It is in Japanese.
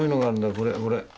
これこれ。